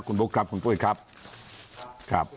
คุณบุ๊คครับคุณปุ้ยครับครับ